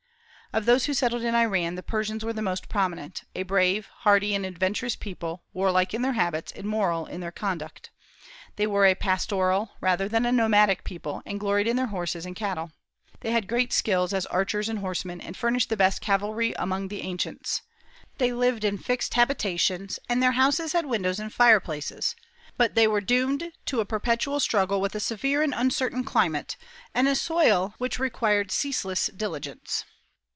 Of those who settled in Iran, the Persians were the most prominent, a brave, hardy, and adventurous people, warlike in their habits, and moral in their conduct. They were a pastoral rather than a nomadic people, and gloried in their horses and cattle. They had great skill as archers and horsemen, and furnished the best cavalry among the ancients. They lived in fixed habitations, and their houses had windows and fireplaces; but they were doomed to a perpetual struggle with a severe and uncertain climate, and a soil which required ceaseless diligence.